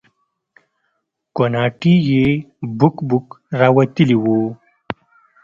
کوناټي يې بوک بوک راوتلي وو.